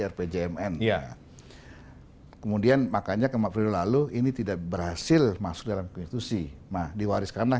rpjmn ya kemudian makanya kemarin lalu ini tidak berhasil masuk dalam konstitusi nah diwariskanlah